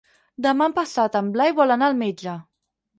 Demà passat en Blai vol anar al metge.